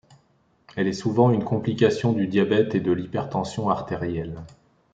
Elle est souvent une complication du diabète et de l'hypertension artérielle.